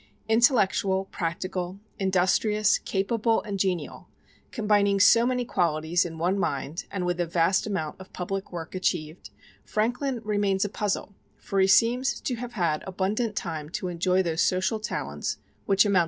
Intellectual, practical, industrious, capable and genial, combining so many qualities in one mind and with a vast amount of public work achieved, Franklin remains a puzzle, for he seems to have had abundant time to enjoy those social talents which amounted to genius.